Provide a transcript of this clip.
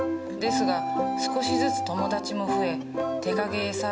ですが少しずつ友達も増え手影絵